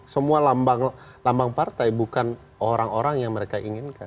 semua lambang partai bukan orang orang yang mereka inginkan